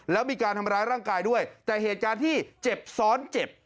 แล้วมีการทำร้ายร่างกายด้วยแต่เหตุการณ์ที่เจ็บซ้อนเจ็บ